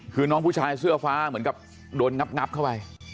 คือน้องผู้ชายเสื้อฟ้าเหมือนกับโดนงับเข้าไป